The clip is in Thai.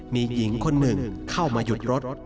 มีหญิงคนหนึ่งเข้ามาหยุดรถ